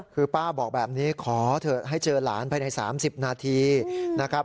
คือป้าบอกแบบนี้ขอเถอะให้เจอหลานภายใน๓๐นาทีนะครับ